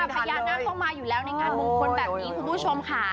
พญานาคต้องมาอยู่แล้วในงานมงคลแบบนี้คุณผู้ชมค่ะ